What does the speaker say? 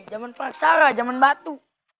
jaman peraksara jaman batu